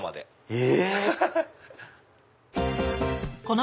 え？